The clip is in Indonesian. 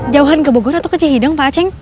jauhan ke bogor atau ke cihideng pak aceng